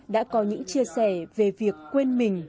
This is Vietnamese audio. đã có những chia sẻ về việc quên mình